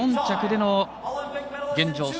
４着での現状